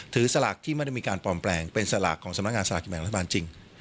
สลากที่ไม่ได้มีการปลอมแปลงเป็นสลากของสำนักงานสลากกินแบ่งรัฐบาลจริง